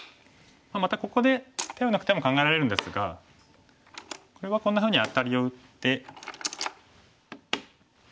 またここで手を抜く手も考えられるんですがこれはこんなふうにアタリを打って。